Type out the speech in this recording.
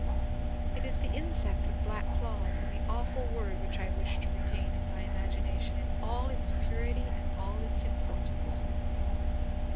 It is the insect with black claws, and the awful word which I wish to retain in my imagination in all its purity and all its importance."